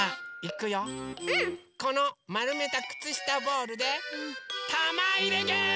このまるめたくつしたボールでたまいれゲーム！